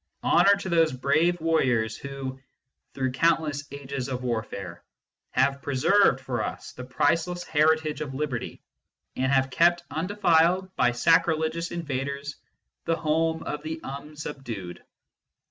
Honour to those brave warriors who, through countless ages of warfare, have preserved for us the priceless heritage of liberty, and have kept undefiled by sacrilegious invaders the home of the un subdued.